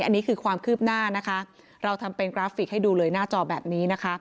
อันนี้คือความคืบหน้านะคะเราทำเป็นกราฟิกให้ดูเลยหน้าจอแบบนี้นะคะ